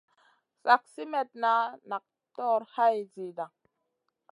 Slak simètna nak tog hay zida.